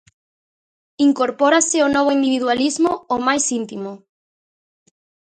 Incorpórase o novo individualismo ao máis íntimo.